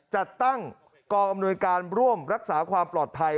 จัดตั้งกองอำนวยการร่วมรักษาความปลอดภัย